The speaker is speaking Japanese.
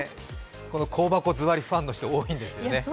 この香箱座りファンの人多いんですよね。